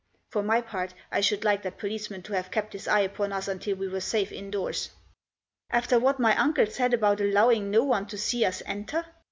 For my part I should like that policeman to have kept his eye upon us until we were safe indoors." " After what my uncle said about allowing no one to see us enter?"